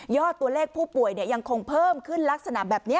ตัวเลขผู้ป่วยยังคงเพิ่มขึ้นลักษณะแบบนี้